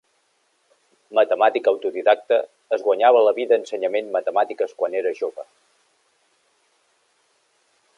Matemàtic autodidacte, es guanyava la vida ensenyament matemàtiques quan era jove.